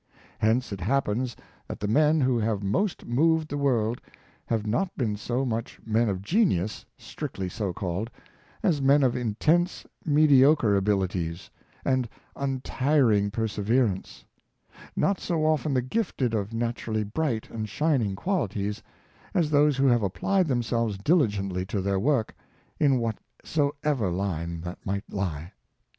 Hence it happens that the men who have most moved the world, have not been so much men of genius, strictly so called, as men of intense mediocre abilities, and un tiring perseverance; not so often the gifted, of naturally bright and shining qualities, as those who have applied themselves diligently to their work, in whatsoever line that might lie.